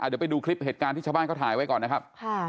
เดี๋ยวไปดูคลิปเหตุการณ์ที่ชาวบ้านเขาถ่ายไว้ก่อนนะครับ